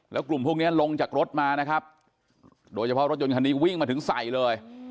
แล้วกลุ่มพวกนี้ลงจากรถมานะครับโดยเฉพาะรถยนต์คันนี้วิ่งมาถึงใส่เลย